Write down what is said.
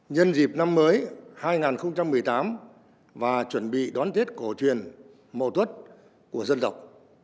nhân dịp năm mới hai nghìn một mươi tám và chuẩn bị đón tết cổ truyền màu tuất của dân tộc